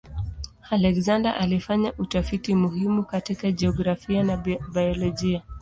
Alexander alifanya utafiti muhimu katika jiografia na biolojia.